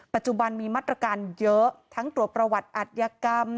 ปัจจุบันมีมาตรการเยอะทั้งตรวจประวัติอัธยกรรม